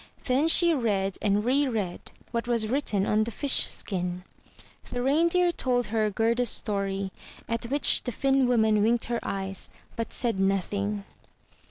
Then she read and re read what was written on the fish skin. The Reindeer told her Gerd 's story, at which the Finn woman winked her eyes, but said nothing.